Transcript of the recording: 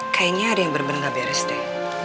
kayaknya ada yang bener bener gak beres deh